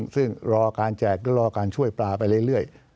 ซึ่งรอการแจกและรอการช่วยปลาไปเรื่อย